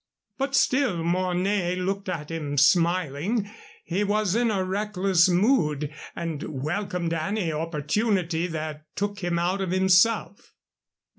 But still Mornay looked at him, smiling. He was in a reckless mood, and welcomed any opportunity that took him out of himself.